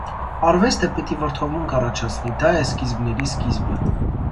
Արվեստը պիտի վրդովմունք առաջացնի, դա է սկիզբների սկիզբը։